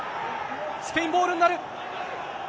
スペインボールになる。